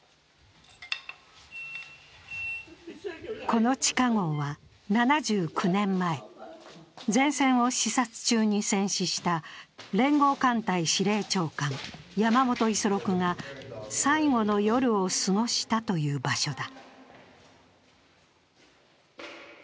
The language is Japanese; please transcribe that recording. この地下ごうは７９年前、前線を視察中に戦死した連合艦隊司令長官、山本五十六が最後の夜を過ごしたという場所だ。